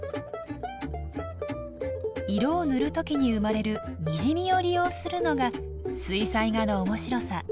色を塗る時に生まれるにじみを利用するのが水彩画の面白さ。